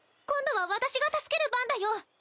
今度は私が助ける番だよ！